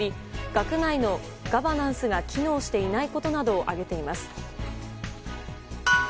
学内のガバナンスが機能していないことなどを挙げています。